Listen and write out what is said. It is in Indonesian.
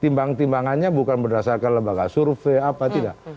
timbang timbangannya bukan berdasarkan lembaga survei apa tidak